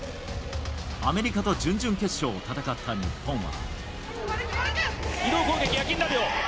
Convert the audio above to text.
アメリカと準々決勝を戦った日本は。